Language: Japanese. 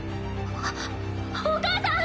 あっお母さん！